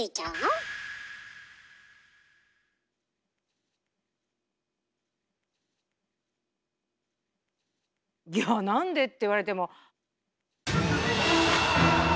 いやなんでって言われても。